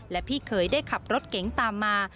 และพี่เคยได้ขับรถเก๋งตามมา